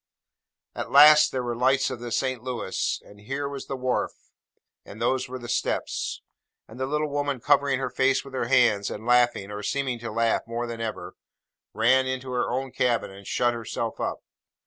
At last, there were the lights of St. Louis, and here was the wharf, and those were the steps: and the little woman covering her face with her hands, and laughing (or seeming to laugh) more than ever, ran into her own cabin, and shut herself up.